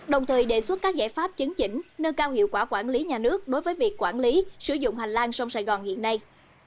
đồng thời đề xuất các giải pháp chứng chỉnh nâng cao hiệu quả quản lý nhà nước đối với việc quản lý sử dụng hành lang sông sài gòn hiện nay